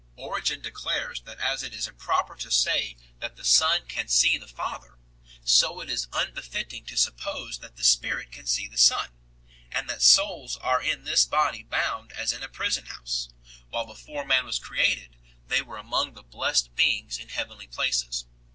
Origen declares that as it is improper to say that the Son can see the Father, so it is unbefitting to suppose that the Spirit can see the Son; and that souls are in this body bound as in a prison house, while before man was created, they were among the blessed beings in heavenly places.